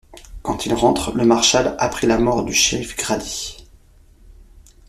Quand il rentre, le marshal apprend la mort du shérif Grady.